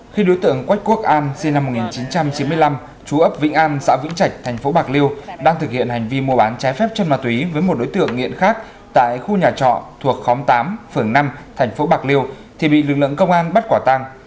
khi đối tượng quách quốc an sinh năm một nghìn chín trăm chín mươi năm chú ấp vĩnh an xã vĩnh trạch thành phố bạc liêu đang thực hiện hành vi mua bán trái phép chân ma túy với một đối tượng nghiện khác tại khu nhà trọ thuộc khóm tám phường năm thành phố bạc liêu thì bị lực lượng công an bắt quả tăng